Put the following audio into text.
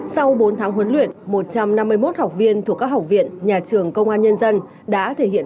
sau bốn tháng huấn luyện một trăm năm mươi một học viên thuộc các học viện nhà trường công an nhân dân đã thể hiện